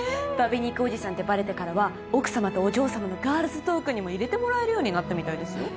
美肉おじさんってバレてからは奥様とお嬢様のガールズトークにも入れてもらえるようになったみたいですよ。